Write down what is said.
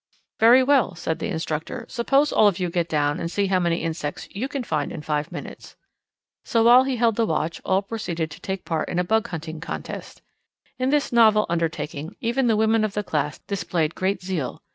"Very well," said the instructor, "suppose all of you get down and see how many insects you can find in five minutes." So while he held the watch all proceeded to take part in a bug hunting contest. In this novel undertaking even the women of the class displayed great zeal.